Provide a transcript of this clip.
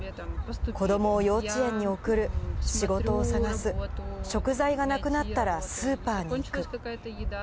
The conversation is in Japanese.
子どもを幼稚園に送る、仕事を探す、食材がなくなったらスーパーに行く。